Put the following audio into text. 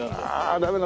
ダメだ。